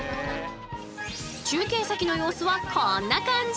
中継先の様子はこんな感じ。